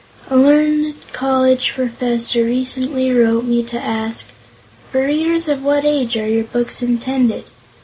A learned college professor recently wrote me to ask: "For readers of what age are your books intended?"